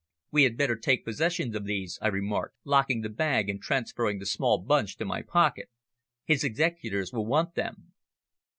"We had better take possession of these," I remarked, locking the bag and transferring the small bunch to my pocket. "His executors will want them."